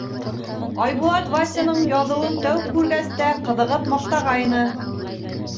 Айбулат Васяның яҙыуын тәү күргәс тә ҡыҙығып маҡтағайны: